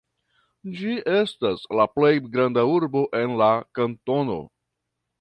Ĝi estas la plej granda urbo en la kantono.